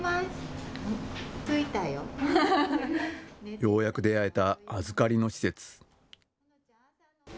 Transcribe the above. ようやく出会えた預かりの施設。